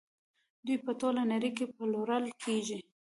دوی په ټوله نړۍ کې پلورل کیږي.